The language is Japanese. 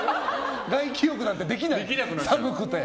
外気浴なんてできない寒くて。